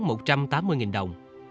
một trăm tám mươi nghìn đồng